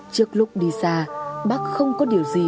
trước lúc đi xa bác không có điều gì